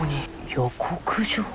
予告状？